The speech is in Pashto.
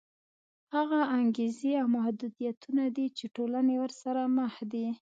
هغه انګېزې او محدودیتونه دي چې ټولنې ورسره مخ دي.